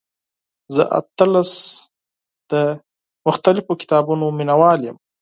زه اتلس د مختلفو کتابونو مینوال یم.